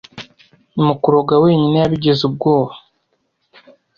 mu kuroga wenyine yabigize ubwoba